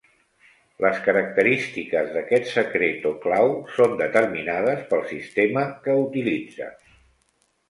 Les característiques d'aquest secret o clau són determinades pel sistema que utilitza.